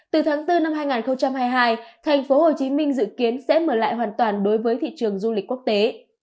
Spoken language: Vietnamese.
từ tháng bốn năm hai nghìn hai mươi hai thành phố hồ chí minh dự kiến sẽ mở lại hoàn toàn đối với thị trường du lịch quốc tế